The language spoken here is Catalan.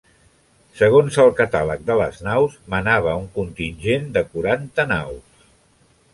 Segons el Catàleg de les naus, manava un contingent de quaranta naus.